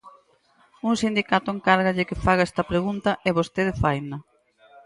Un sindicato encárgalle que faga esta pregunta, e vostede faina.